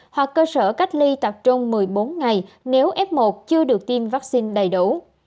hoặc cơ sở cách ly tập trung một mươi bốn ngày nếu f một chưa được tiêm vaccine đầy đủ